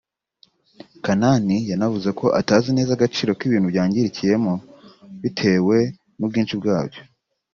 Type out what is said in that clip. Kanani yanavuze ko atazi neza agaciro k’ibintu byangirikiyemo bitewe n’ubwinshi bwabyo